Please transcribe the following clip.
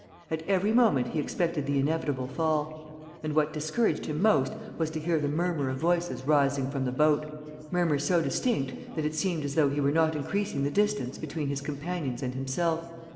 At every moment he expected the inevitable fall. And what discouraged him most was to hear the murmur of voices rising from the boat, murmur so distinct that it seemed as though he were not increasing the distance between his companions and himself.